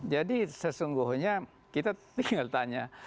jadi sesungguhnya kita tinggal tanya